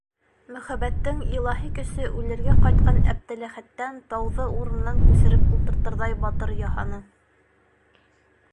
Мөхәббәттең илаһи көсө үлергә ҡайтҡан Әптеләхәттән тауҙы урынынан күсереп ултыртырҙай батыр яһаны.